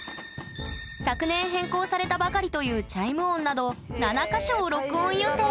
昨年変更されたばかりというチャイム音など７か所を録音予定